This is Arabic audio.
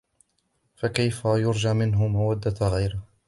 فَكَيْفَ يُرْجَى مِنْهُ مَوَدَّةُ غَيْرِهِ